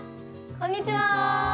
こんにちは！